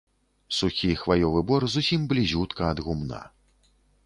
Сухі хваёвы бор зусім блізютка ад гумна.